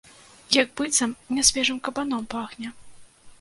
Як быццам нясвежым кабаном пахне.